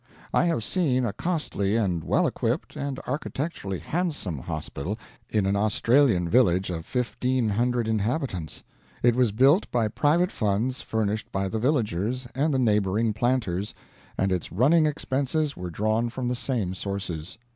I have seen a costly and well equipped, and architecturally handsome hospital in an Australian village of fifteen hundred inhabitants. It was built by private funds furnished by the villagers and the neighboring planters, and its running expenses were drawn from the same sources.